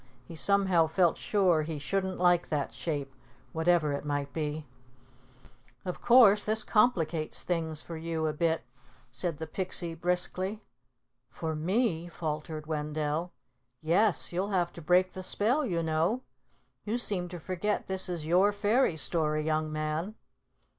He somehow felt sure he shouldn't like that shape, whatever it might be. "Of course, this complicates things for you a bit," said the Pixie briskly. "For me?" faltered Wendell. "Yes, you'll have to break the spell, you know. You seem to forget this is your fairy story, young man."